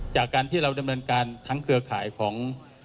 จากการที่เราดำเนินการทั้งเครือข่ายของ